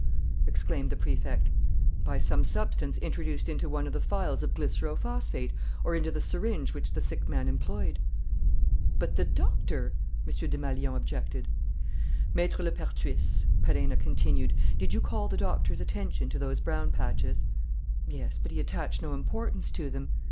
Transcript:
exclaimed the Prefect. "By some substance introduced into one of the phials of glycero phosphate, or into the syringe which the sick man employed." "But the doctor?" M. Desmalions objected. "Maître Lepertuis," Perenna continued, "did you call the doctor's attention to those brown patches?" "Yes, but he attached no importance to them."